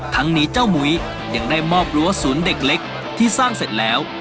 ทั้งนี้เจ้ามุ้ยยังได้มอบรั้วศูนย์เด็กเล็กที่สร้างเสร็จแล้ว